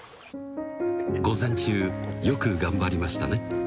午前中、よく頑張りましたね。